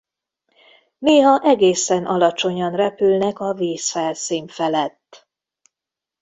Néha egészen alacsonyan repülnek a vízfelszín felett.